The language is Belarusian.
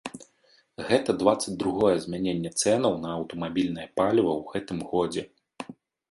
Гэта дваццаць другое змяненне цэнаў на аўтамабільнае паліва ў гэтым годзе.